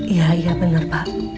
iya benar pak